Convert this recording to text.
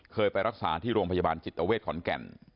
ไปรักษาที่โรงพยาบาลจิตเวทขอนแก่น